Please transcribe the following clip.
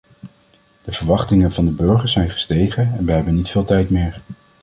De verwachtingen van de burgers zijn gestegen en wij hebben niet veel tijd meer.